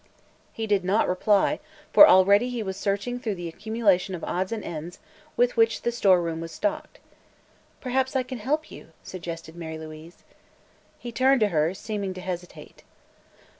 He did not reply, for already he was searching through the accumulation of odds and ends with which the store room was stocked. "Perhaps I can help you," suggested Mary Louise. He turned to her, seeming to hesitate.